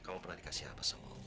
kau mau pernah dikasih apa sama allah